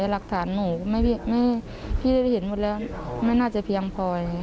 หลักฐานหนูพี่ได้เห็นหมดแล้วไม่น่าจะเพียงพอ